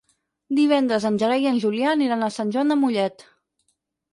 Divendres en Gerai i en Julià aniran a Sant Joan de Mollet.